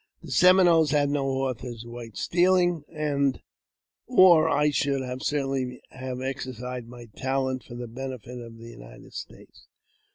The Seminoles had no horses worth stealing, or I should certainly have exercised my talents for the benefit of the United States.